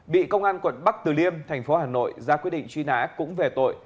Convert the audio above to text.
bị công an quận bắc từ liêm thành phố hà nội ra quyết định truy nã cũng về tội